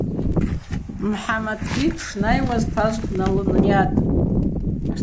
Мхӏаматби дшнайуаз тажвкӏ дналынйатӏ.